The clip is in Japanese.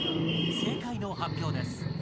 正解の発表です。